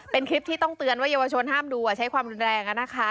เป็นคลิปที่ต้องเตือนว่าเยาวชนห้ามดูใช้ความรุนแรง